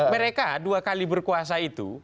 mereka dua kali berkuasa itu